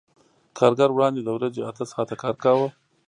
کارګر وړاندې د ورځې اته ساعته کار کاوه